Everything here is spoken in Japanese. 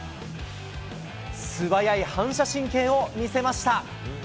素早い反射神経を見せました。